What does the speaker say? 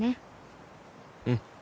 うん。